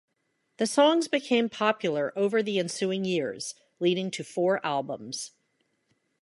The songs became popular over the ensuing years, leading to four albums.